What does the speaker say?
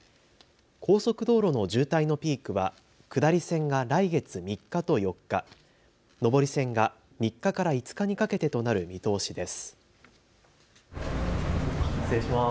高速道路の渋滞のピークは下り線が来月３日と４日、上り線が３日から５日にかけてとなる見通しです。